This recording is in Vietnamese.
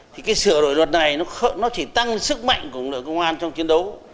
thì cái sửa đổi luật này nó chỉ tăng sức mạnh của lực lượng công an trong chiến đấu